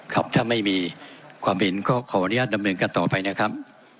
ครับถ้าไม่มีความเห็นก็ขออนุญาตดำเนินการต่อไปนะครับ